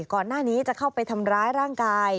ก่อนหน้านี้จะเข้าไปทำร้ายร่างกาย